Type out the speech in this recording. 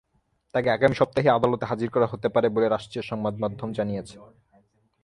তাঁকে আগামী সপ্তাহেই আদালতে হাজির করা হতে পারে বলে রাষ্ট্রীয় সংবাদমাধ্যম জানিয়েছে।